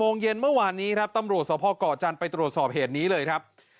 โมงเย็นเมื่อวานนี้ครับตำรวจสภก่อจันทร์ไปตรวจสอบเหตุนี้เลยครับ